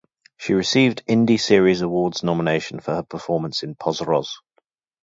She received Indie Series Awards nomination for her performance in "Poz Roz".